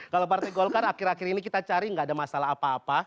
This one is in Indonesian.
kalau partai golkar akhir akhir ini kita cari nggak ada masalah apa apa